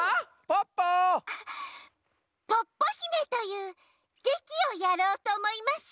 「ポッポひめ」というげきをやろうとおもいます。